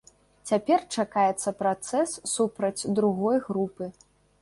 Цяпер чакаецца працэс супраць другой групы.